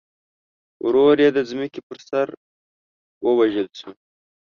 ورور یې د ځمکې پر سر ووژل شو.